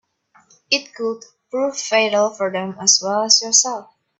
It could prove fatal for them as well as yourself.